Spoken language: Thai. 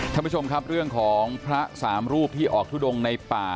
ท่านผู้ชมครับเรื่องของพระสามรูปที่ออกทุดงในป่า